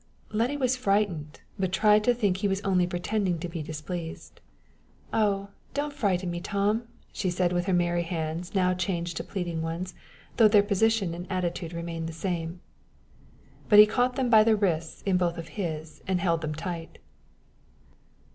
Letty was frightened, but tried to think he was only pretending to be displeased. "Ah! don't frighten me, Tom," she said, with her merry hands now changed to pleading ones, though their position and attitude remained the same. But he caught them by the wrists in both of his, and held them tight.